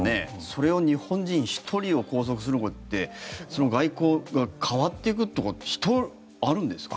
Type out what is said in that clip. それを日本人１人を拘束することによってその外交が変わっていくってことあるんですか？